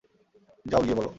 যাও, গিয়ে বলো।